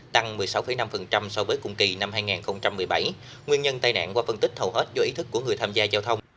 tăng một mươi sáu năm so với cùng kỳ năm hai nghìn một mươi bảy nguyên nhân tai nạn qua phân tích hầu hết do ý thức của người tham gia giao thông